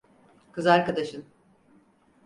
Kız arkadaşın.